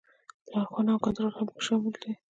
لارښوونه او کنټرول هم پکې شامل دي.